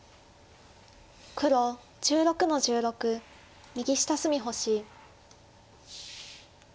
黒１６の十六右下隅星。